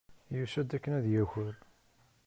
Yusa-d akken ad yaker.